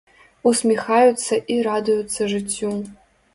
Усміхаюцца і радуюцца жыццю.